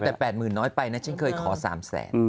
โอ้ยแต่แปดหมื่นน้อยไปนะฉันเคยขอสามแสน